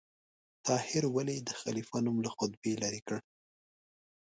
طاهر ولې د خلیفه نوم له خطبې څخه لرې کړ؟